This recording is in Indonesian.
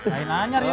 main anjar ya